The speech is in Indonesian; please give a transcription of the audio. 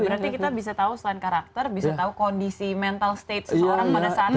berarti kita bisa tahu selain karakter bisa tahu kondisi mental state seseorang pada saat itu